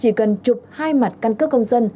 chỉ cần chụp hai mặt căn cước công dân